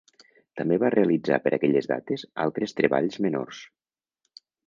També va realitzar per aquelles dates altres treballs menors.